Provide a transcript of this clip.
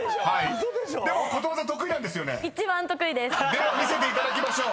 ［では見せていただきましょう。